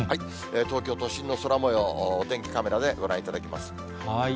東京都心の空もよう、お天気カメラでご覧いただきます。